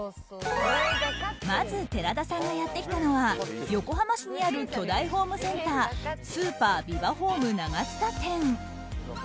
まず、寺田さんがやってきたのは横浜市にある巨大ホームセンタースーパービバホーム長津田店。